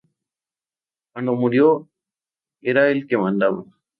Cuando murió era el que mandaba.